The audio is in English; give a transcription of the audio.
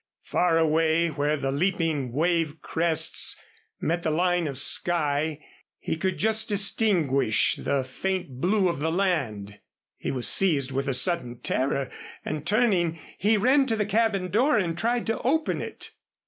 Far away where the leaping wave crests met the line of sky, he could just distinguish the faint blue of the land. He was seized with a sudden terror and, turning, he ran to the cabin door and tried to open it.